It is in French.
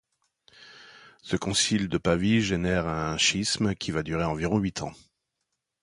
Ce concile de Pavie génère un schisme qui va durer environ huit ans.